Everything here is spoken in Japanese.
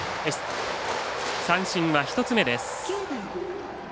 三振は１つ目です。